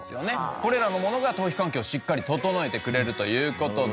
これらのものが頭皮環境をしっかり整えてくれるという事で。